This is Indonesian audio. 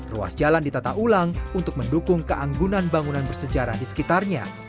ruas jalan ditata ulang untuk mendukung keanggunan bangunan bersejarah di sekitarnya